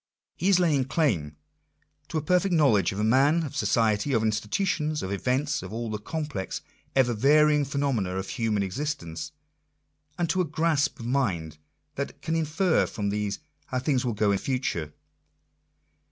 He is laying claim to a per fect knowledge of man, of society, of institutions, of events, of all the complex, ever varying phenomena of human existence ; and to a grasp of mhrf that can infer from these how things will go in future.